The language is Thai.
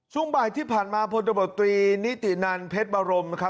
ช่วงบ่ายที่ผ่านมาพลตรบรตรีนิตินันนะ